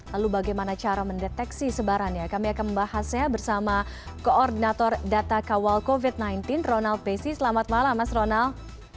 lalu bagaimana cara mendeteksi sebarannya kami akan membahasnya bersama koordinator data kawal covid sembilan belas ronald pesi selamat malam mas ronald